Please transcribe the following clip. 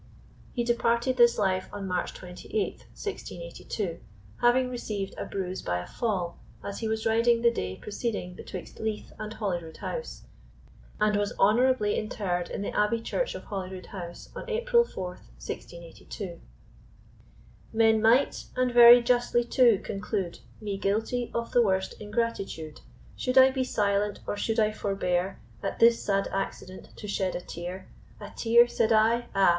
He departed this life on March 28, 1682, having received a bruise by a fall, as he was riding the day preceding betwixt Leith and Holyrood House; and was honourably interred in the Abbey Church of Holyrood House, on April 4, 1682." Men might, and very justly too, conclude Me guilty of the worst ingratitude, Should I be silent, or should I forbear At this sad accident to shed a tear; A tear! said I? ah!